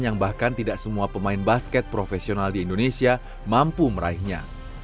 yang bahkan tidak semua pemain basket profesional di indonesia mampu meraihnya